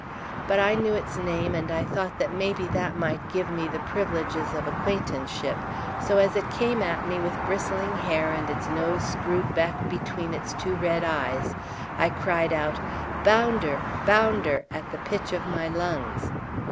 But I knew its name, and I thought that maybe that might give me the privileges of acquaintanceship; so as it came at me with bristling hair and its nose screwed back between its two red eyes, I cried out "Bounder! Bounder!" at the pitch of my lungs.